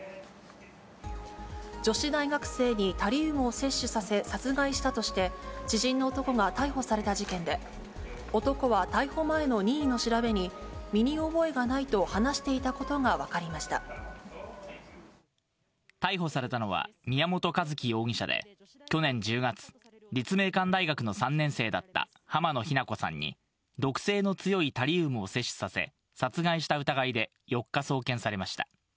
女子大学生にタリウムを摂取させ、殺害したとして、知人の男が逮捕された事件で、男は逮捕前の任意の調べに、身に覚えがないと話していたこと逮捕されたのは、宮本一希容疑者で、去年１０月、立命館大学の３年生だった浜野日菜子さんに、毒性の強いタリウムを摂取させ、殺害した疑いで４日、送検されました。